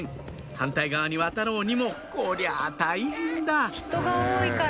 反対側に渡ろうにもこりゃ大変だ人が多いから。